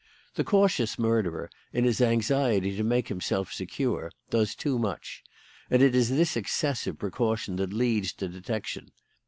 The cautious murderer, in his anxiety to make himself secure, does too much; and it is this excess of precaution that leads to detection.